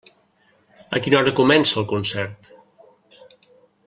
A quina hora comença el concert?